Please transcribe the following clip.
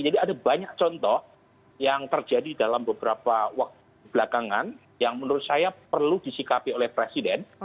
jadi ada banyak contoh yang terjadi dalam beberapa waktu belakangan yang menurut saya perlu disikapi oleh presiden